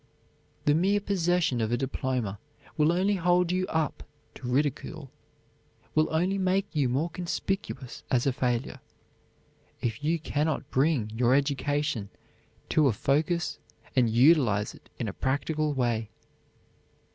The mere possession of a diploma will only hold you up to ridicule, will only make you more conspicuous as a failure, if you cannot bring your education to a focus and utilize it in a practical way.